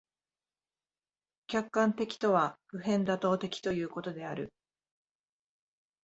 客観的とは普遍妥当的ということである。